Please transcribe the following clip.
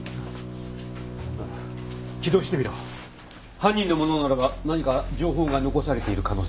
犯人のものならば何か情報が残されている可能性もある。